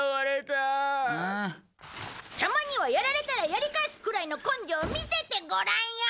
たまにはやられたらやり返すくらいの根性を見せてごらんよ！